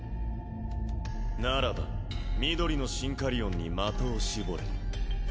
ならば緑のシンカリオンに的を絞れ。